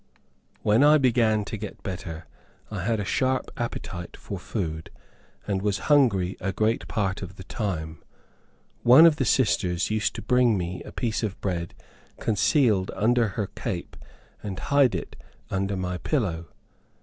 When I began to get better, I had a sharp appetite for food, and was hungry a great part of the time. One of the sisters used to bring me a piece of bread concealed under her cape and hide it under my pillow.